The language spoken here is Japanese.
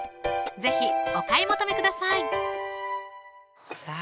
是非お買い求めくださいさぁ